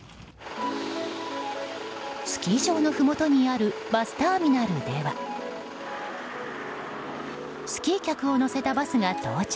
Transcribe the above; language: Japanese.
スキー場のふもとにあるバスターミナルではスキー客を乗せたバスが到着。